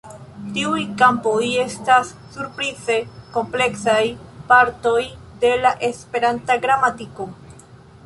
Tiuj kampoj estas surprize kompleksaj partoj de la Esperanta gramatiko.